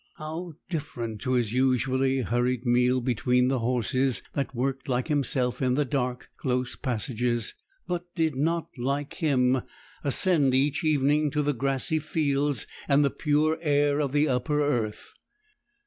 How different to his usually hurried meal beside the horses, that worked like himself in the dark, close passages, but did not, like him, ascend each evening to the grassy fields and the pure air of the upper earth!